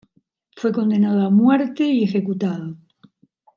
Fue condenado a muerte y ejecutado.